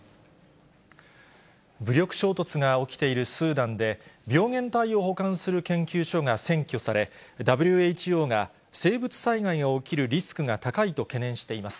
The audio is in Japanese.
武力衝突が起きているスーダンで、病原体を保管する研究所が占拠され、ＷＨＯが生物災害が起きるリスクが高いと懸念しています。